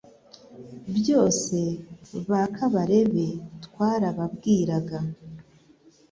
byose ba Kabarebe twarababwiraga